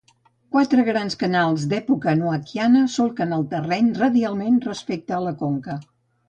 Quatre grans canals d'època noaquiana solquen el terreny radialment respecte a la conca.